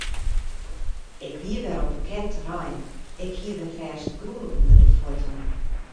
Ik wie wer op bekend terrein, ik hie wer fêstegrûn ûnder de fuotten.